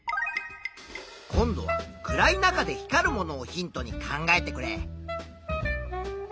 今度は暗い中で光るものをヒントに考えてくれ。